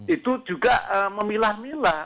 itu juga memilah milah